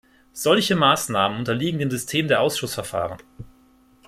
Solche Maßnahmen unterliegen dem System der Ausschussverfahren.